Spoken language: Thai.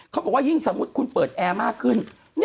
เขาบอกว่ายิ่งสมมุติคุณเปิดแอร์มากขึ้น